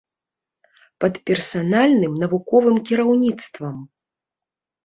Пад персанальным навуковым кіраўніцтвам!